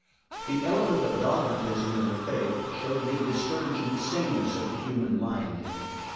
The element of dogmatism in her faith showed the discouraging sameness of the human mind.